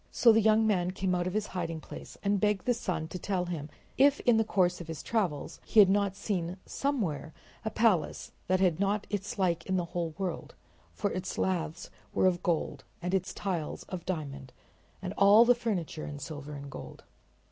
So the young man came out from his hiding place and begged the sun to tell him if in the course of his travels he had not seen somewhere a palace that had not its like in the whole world, for its laths were of gold and its tiles of diamond and all the furniture in silver and gold.